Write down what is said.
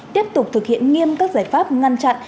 tiếp tục thực hiện nghiêm các giải pháp ngăn chặn